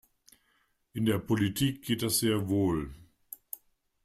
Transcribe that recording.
In der Politik geht das sehr wohl.